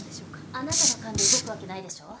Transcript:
あなたの勘で動くわけないでしょ。